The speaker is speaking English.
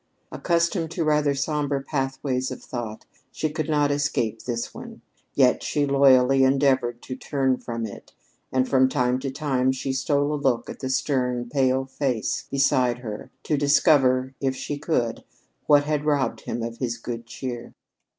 Accustomed to rather somber pathways of thought, she could not escape this one; yet she loyally endeavored to turn from it, and from time to time she stole a look at the stern, pale face beside her to discover, if she could, what had robbed him of his good cheer.